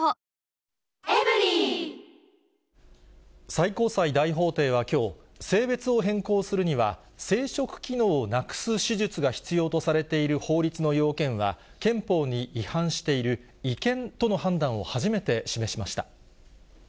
最高裁大法廷はきょう、性別を変更するには生殖機能をなくす手術が必要とされている法律の要件は、憲法に違反している、違憲との判断を初めて示しました。